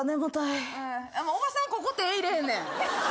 あんまおばさんここ手ぇ入れへんねん。